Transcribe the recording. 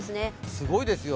すごいですよ。